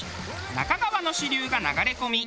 那珂川の支流が流れ込み